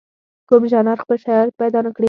کوم ژانر خپل شرایط پیدا نکړي.